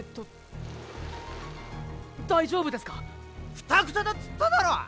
くたくただっつっただろ！